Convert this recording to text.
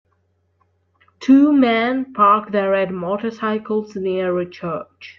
Two men park their red motorcycles near a church.